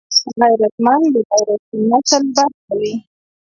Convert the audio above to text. غیرتمند د غیرتي نسل برخه وي